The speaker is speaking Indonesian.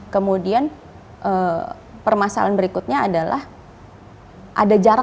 kemudian permasalahan berikutnya adalah ada jarak